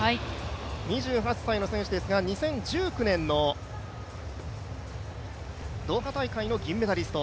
２８歳の選手ですが２０１９年のドーハ大会の銀メダリスト。